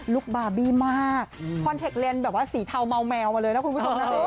บาร์บี้มากคอนเทคเลนส์แบบว่าสีเทาเมาแมวมาเลยนะคุณผู้ชมนะ